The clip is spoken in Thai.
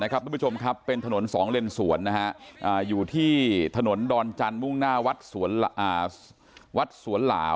คุณผู้ชมครับเป็นถนน๒เลนสวนอยู่ที่ถนนดอนจันทร์มุ่งหน้าวัดสวนหลาว